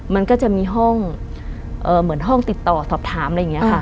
มันก็จะมีห้องเหมือนห้องติดต่อสอบถามอะไรอย่างนี้ค่ะ